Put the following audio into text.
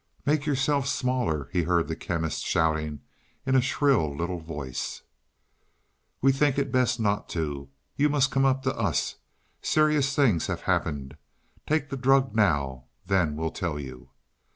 "Make yourselves smaller," he heard the Chemist shouting in a shrill little voice. "We think it best not to. You must come up to us. Serious things have happened. Take the drug now then we'll tell you."